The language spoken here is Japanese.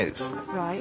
はい。